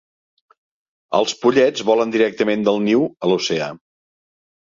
Els pollets volen directament del niu a l'oceà.